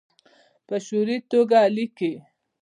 په شعوري توګه لیکي